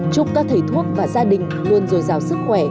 chúc các thầy thuốc và gia đình luôn dồi dào sức khỏe